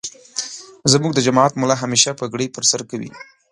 زمونږ دجماعت ملا همیشه پګړی پرسرکوی.